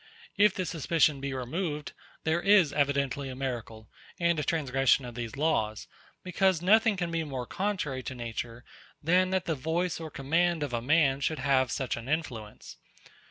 If this suspicion be removed, there is evidently a miracle, and a transgression of these laws; because nothing can be more contrary to nature than that the voice or command of a man should have such an influence.